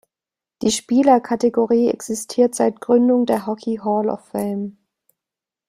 Die Spieler-Kategorie existiert seit Gründung der Hockey Hall of Fame.